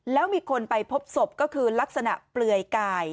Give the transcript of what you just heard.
แล้วมีคนไปพบศพก็คือลักษณะเปลือยกาย